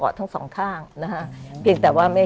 คุณซูซี่คุณซูซี่